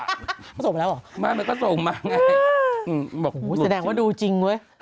เขาส่งมาแล้วเหรอไม่มันก็ส่งมาไงบอกโหแสดงว่าดูจริงเว้ย